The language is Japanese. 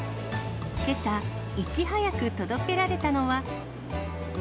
けさ、いち早く届けられたのは。